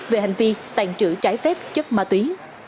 về hành vi tàn trữ trái phép chất ma túy